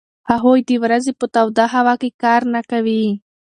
هغوی د ورځې په توده هوا کې کار نه کوي.